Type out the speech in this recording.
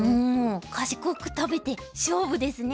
賢く食べて勝負ですね。